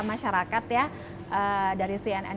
masyarakat ya dari cnn